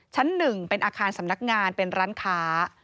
ชั้น๑เป็นอาคารสำนักงานเป็นร้านค้า